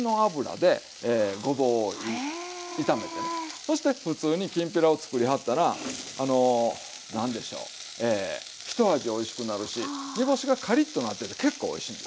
そしてふつうにきんぴらをつくりはったらあの何でしょうひと味おいしくなるし煮干しがカリッとなってて結構おいしいんです。